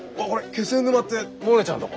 気仙沼ってモネちゃんとこ？